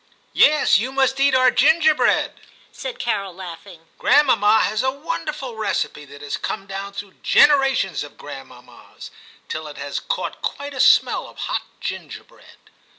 * *Yes; you must eat our ginger bread,' said Carol, laughing. ' Grandmamma has a wonderful recipe that has come down through generations of grandmammas, till it has caught quite a smell of hot ginger bread.